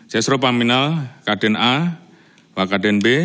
sesropaminal kdna wakaden b